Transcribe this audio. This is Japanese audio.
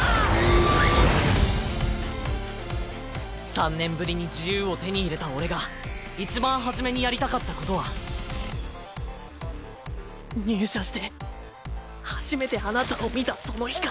３年ぶりに自由を手に入れた俺がいちばん初めにやりたかったことは入社して初めてあなたを見たその日から。